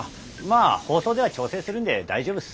あ放送では調整するんで大丈夫っす。